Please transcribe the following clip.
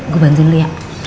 gue bantu dulu ya